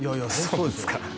そうですか？